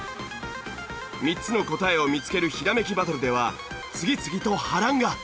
３つの答えを見つけるひらめきバトルでは次々と波乱が。